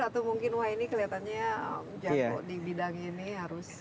atau mungkin wah ini kelihatannya jago di bidang ini harus